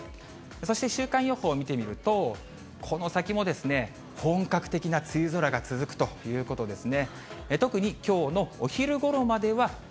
そして週間予報を見てみると、この先もですね、本格的な梅雨空が続くということですね。